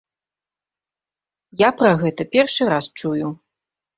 Я пра гэта першы раз чую.